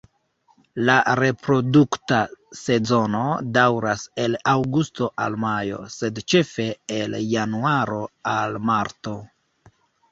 La reprodukta sezono daŭras el aŭgusto al majo, sed ĉefe el januaro al marto.